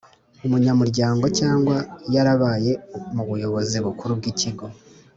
umunyamuryango cyangwa yarabaye mu buyobozi bukuru bw’ikigo